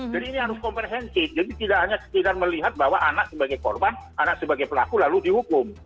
jadi ini harus komprehensi jadi tidak hanya sekedar melihat bahwa anak sebagai korban anak sebagai pelaku lalu dihukum